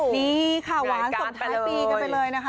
นี่ค่ะหวานส่งท้ายปีกันไปเลยนะคะ